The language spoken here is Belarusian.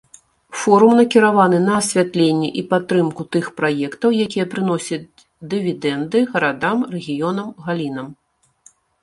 Форум накіраваны на асвятленне і падтрымку тых праектаў, якія прыносяць дывідэнды гарадам, рэгіёнам, галінам.